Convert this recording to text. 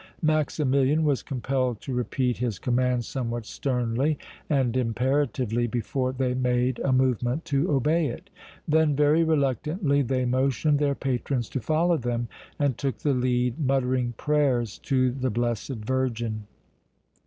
Maximilian was compelled to repeat his command somewhat sternly and imperatively before they made a movement to obey it; then very reluctantly they motioned their patrons to follow them and took the lead, muttering prayers to the Blessed Virgin.